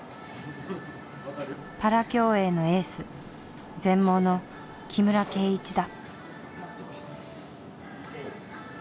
パラ競泳のエース全盲の木村敬一だ。